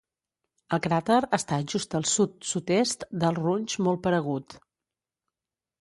El cràter està just al sud-sud-est del runge molt paregut.